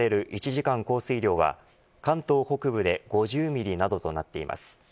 １時間降水量は関東北部で５０ミリなどとなっています。